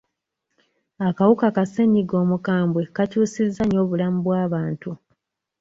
Akawuka ka ssenyiga omukambwe kakyusizza nnyo obulamu bw'abantu.